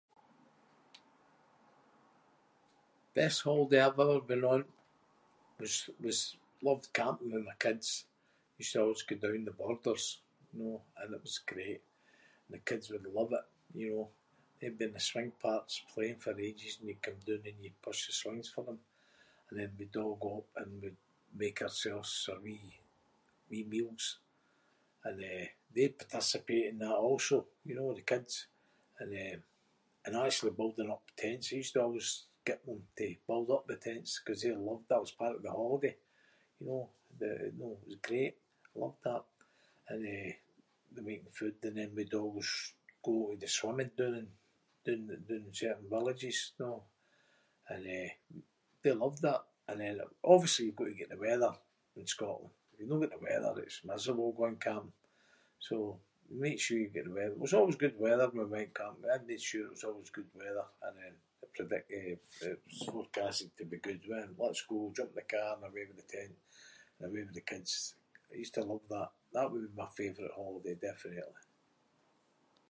Best holiday I’ve ever been on was- was- loved camping with my kids. Used to always go down the Borders, know, and it was great. And the kids would love it, you know. They’d be in the swing parks playing for ages and you’d come doon and you'd push the swings for them and then we’d all go up and we’d make ourselves our wee- wee meals. And, eh, they’d participate in that also, you know. The kids. And eh- and actually building up tents. I used to always get them to build up the tents ‘cause they loved that. That was part of the holiday, you know. Eh, know, it was great. Loved that. And, eh, they’d make the food and then we’d always go to the swimming doon in- doon the- doon in certain villages, know. And, eh, they loved that. And then- obviously you’ve got to get the weather in Scotland. If you’ve no got the weather it’s miserable going camping. So, make sure you’ve got the weather- it was always good weather when we went camping. I’d make sure it was always good weather and then predict- eh, if it was forecasted to be good went let’s go. Jump in the car and away with the tent and away with the kids. I used to love that. That would be my favourite holiday. Definitely.